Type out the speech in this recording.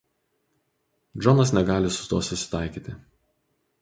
Džonas negali su tuo susitaikyti.